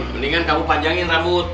mendingan kamu panjangin rambut